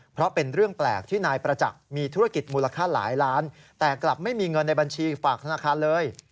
เพราะเป็นเรื่องแปลกที่นายประจักษ์มีธุรกิจมูลค่าหลายล้านแต่กลับไม่มีเงินในบัญชีฝากธนาคารเลย